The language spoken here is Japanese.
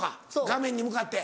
画面に向かって。